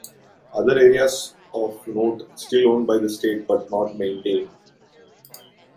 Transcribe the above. Other areas of note still owned by the state but not maintained.